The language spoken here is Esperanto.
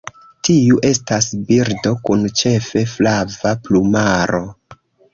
Tiu estas birdo, kun ĉefe flava plumaro.